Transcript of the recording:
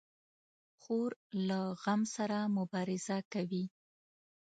خور له غم سره مبارزه کوي.